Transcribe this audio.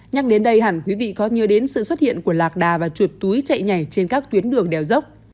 nhắc đến đây hẳn quý vị có nhớ đến sự xuất hiện của lạc đà và chuột túi chạy nhảy trên các tuyến đường đèo dốc